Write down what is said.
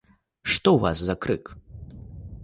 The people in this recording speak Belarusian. Што ў вас за крык?